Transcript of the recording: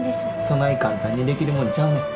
そない簡単にできるもんちゃうねん。